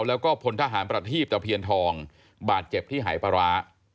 แล้วก็พลทหารประทีบตะเพียนทองบาดเจ็บที่หายปลาร้า